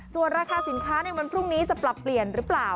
ส่วนราคาสินค้าในวันพรุ่งนี้จะปรับเปลี่ยนหรือเปล่า